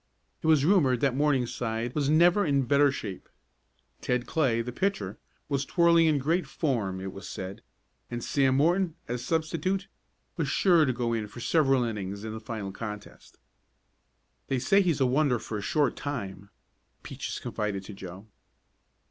It was rumored that Morningside was never in better shape. Ted Clay, the pitcher, was twirling in great form it was said, and Sam Morton, as substitute, was sure to go in for several innings in the final contest. "They say he's a wonder for a short time," Peaches confided to Joe.